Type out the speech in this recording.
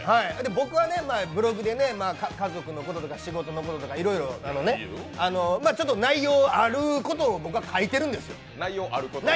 僕はブログで家族のこととか、仕事のこととか、いろいろね、ちょっと内容あることを僕は書いてるんですよ。